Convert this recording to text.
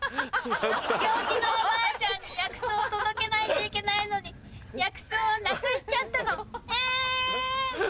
病気のおばあちゃんに薬草を届けないといけないのに薬草をなくしちゃったのえん！